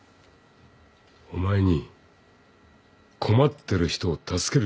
お前に困ってる人を助ける余裕があんのか。